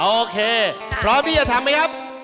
โอเคพร้อมที่จะทำไหมครับ